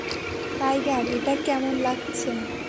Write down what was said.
Tiger, এটা কেমন লাগছে?